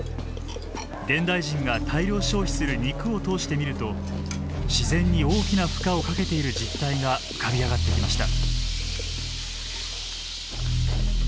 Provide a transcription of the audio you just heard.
現代人が大量消費する肉を通して見ると自然に大きな負荷をかけている実態が浮かび上がってきました。